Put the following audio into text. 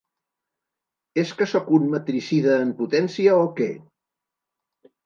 ¿És que sóc un matricida en potència o què?